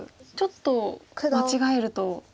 ちょっと間違えると。